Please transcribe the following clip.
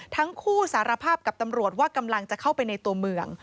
สารภาพกับตำรวจว่ากำลังจะเข้าไปในตัวเมือง